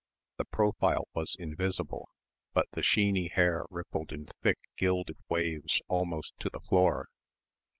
The profile was invisible, but the sheeny hair rippled in thick gilded waves almost to the floor....